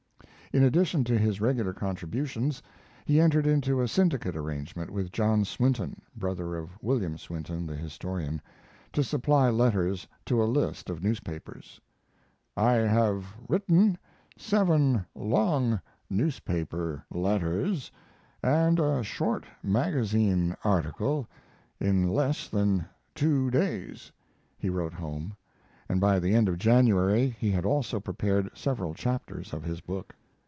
In addition to his regular contributions, he entered into a syndicate arrangement with John Swinton (brother of William Swinton, the historian) to supply letters to a list of newspapers. "I have written seven long newspaper letters and a short magazine article in less than two days," he wrote home, and by the end of January he had also prepared several chapters of his book.